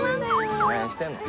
何してんの？